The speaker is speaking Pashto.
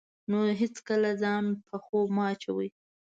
نو هېڅکله ځان په خوب مه اچوئ.